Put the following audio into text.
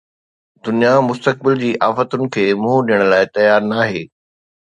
دنيا مستقبل جي آفتن کي منهن ڏيڻ لاءِ تيار ناهي